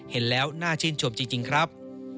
เห็นแล้วน่าชื่นชมจริงครับ